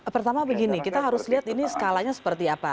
pertama begini kita harus lihat ini skalanya seperti apa